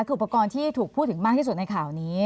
คืออุปกรณ์ที่ถูกพูดถึงมากที่สุดในข่าวนี้